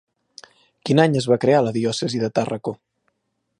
Quin any es va crear la diòcesi de Tàrraco?